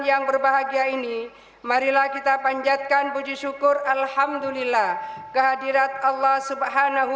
yang berbahagia ini marilah kita panjatkan puji syukur alhamdulillah kehadirat allah swt